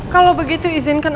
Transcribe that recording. kalau begitu izinkan